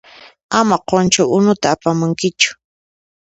Ama qunchu unuta apamunkichu.